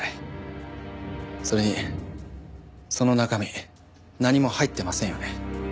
それにその中身何も入ってませんよね。